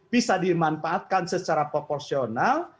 bisa dimanfaatkan secara proporsional